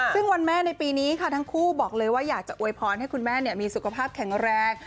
ซึ่งวันแม่ในปีนี้ค่ะทั้งคู่บอกเลยว่าอยากจะอวยพรให้คุณแม่มีสุขภาพแข็งแรง